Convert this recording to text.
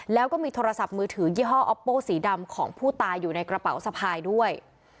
แล้วก็มีโทรศัพท์มือถือยี่ห้ออปโป้สีดำของผู้ตายอยู่ในกระเป๋าสะพายด้วย